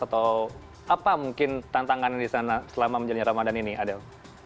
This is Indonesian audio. atau apa mungkin tantangan yang disana selama menjalani ramadan ini adel